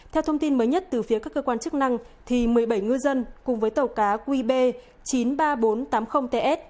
theo thông tin mới nhất từ phía các cơ quan chức năng một mươi bảy ngư dân cùng với tàu cá qb chín mươi ba nghìn bốn trăm tám mươi ts